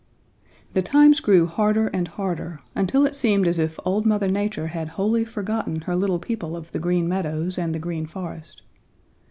"The times grew harder and harder, until it seemed as if Old Mother Nature had wholly forgotten her little people of the Green Meadows and the Green Forest.